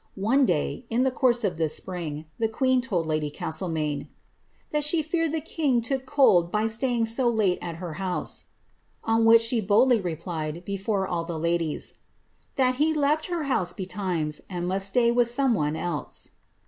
One day, in the course of this spring, the queen told lady Castlemaine, ^^ that she feared the king took cold by staying so lite at her house,^' on which she boldly replied, before all the ladies, ^ that he left her house betimes, and must stay with some one else.''